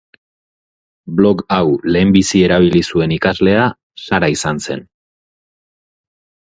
Blog hau lehenbizi erabili zuen ikaslea Sara izan zen.